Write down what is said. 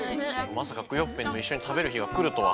まさかクヨッペンといっしょにたべるひがくるとは。